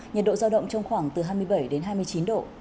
nhiệt độ giao động trong khoảng từ hai mươi bảy đến hai mươi chín độ